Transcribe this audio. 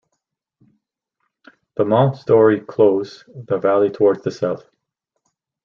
The Monts Dore close the valley towards the south.